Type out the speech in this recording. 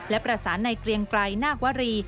และประสานในเกลียงไกรนาควรี